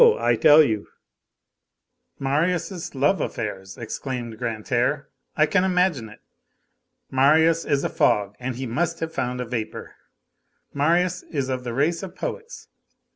I tell you." "Marius' love affairs!" exclaimed Grantaire. "I can imagine it. Marius is a fog, and he must have found a vapor. Marius is of the race of poets.